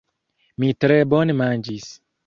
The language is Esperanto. Mi tre bone manĝis.